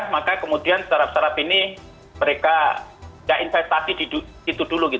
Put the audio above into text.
maka kemudian startup startup ini mereka tidak investasi di situ dulu